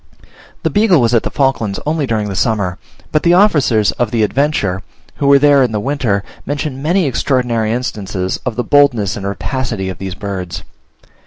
The Beagle was at the Falklands only during the summer, but the officers of the Adventure, who were there in the winter, mention many extraordinary instances of the boldness and rapacity of these birds.